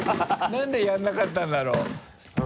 何でやらなかったんだろう？